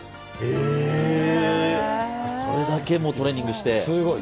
それだけ、もう、トレーニンすごい。